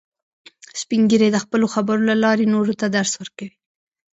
سپین ږیری د خپلو خبرو له لارې نورو ته درس ورکوي